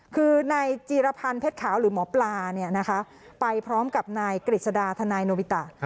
คือในจีรพรรณเพชรขาวหรือหมอปลาเนี่ยนะคะไปพร้อมกับนายกฤษดาธนายโนวิตะ